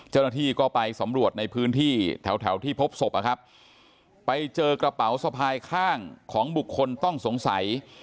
เจ้าหน้าที่ก็ไปสำรวจในพื้นที่แถวแถวที่พบศพนะครับไปเจอกระเป๋าสะพายข้างของบุคคลต้องสงสัย